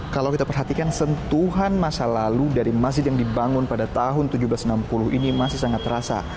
kalau kita perhatikan sentuhan masa lalu dari masjid yang dibangun pada tahun seribu tujuh ratus enam puluh ini masih sangat terasa